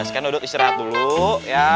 scan duduk istirahat dulu ya